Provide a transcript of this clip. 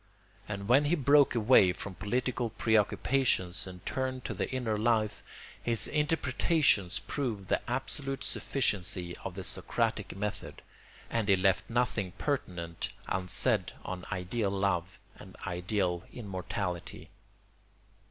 And when he broke away from political preoccupations and turned to the inner life, his interpretations proved the absolute sufficiency of the Socratic method; and he left nothing pertinent unsaid on ideal love and ideal immortality.